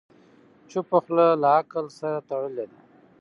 چپه خوله، له عقل سره تړلې ده.